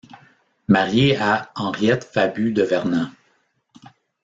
Marié à Henriette Fabus de Vernan.